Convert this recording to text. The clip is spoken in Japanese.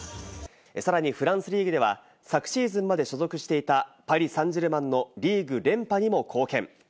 さらにフランスリーグでは昨シーズンまで所属していたパリ・サンジェルマンのリーグ連覇にも貢献。